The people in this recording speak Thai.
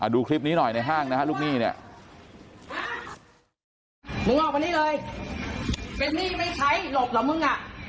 ดูคลิปนี้หน่อยในห้างนะฮะลูกหนี้เนี่ย